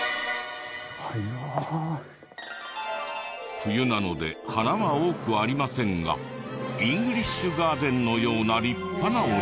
冬なので花は多くありませんがイングリッシュガーデンのような立派なお庭。